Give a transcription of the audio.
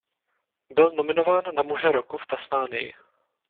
Byl nominován na muže roku v Tasmánii.